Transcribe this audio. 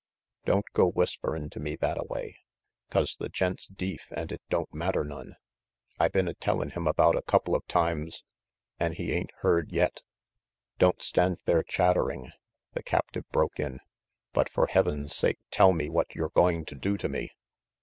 Don't go whisperin' to me thatta way, 'cause the gent's deef an' it don't matter none. I been a tellin' him about a couple of times, an' he ain't heard yet "Don't stand there chattering," the captive broke in, "but for Heaven's sake tell me what you're going to do to me."